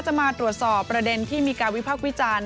มาตรวจสอบประเด็นที่มีการวิพักษ์วิจารณ์